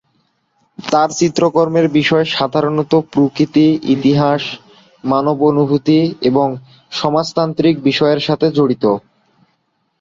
তার চিত্রকর্মের বিষয় সাধারণত প্রকৃতি, ইতিহাস, মানব অনুভূতি, এবং সমাজতান্ত্রিক বিষয়ের সাথে জড়িত।